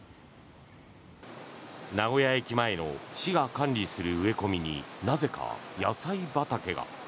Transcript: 名古屋駅前の市が管理する植え込みになぜか野菜畑が。